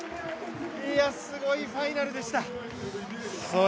いや、すごいファイナルでした。